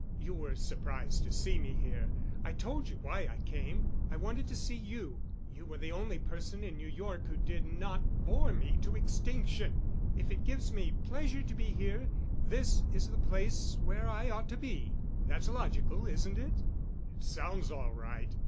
You were surprised to see me here. I told you why I came. I wanted to see you. You were the only person in New York who did not bore me to extinction. If it gives me pleasure to be here, this is the place where I ought to be. That's logical, isn't it?" "It sounds all right.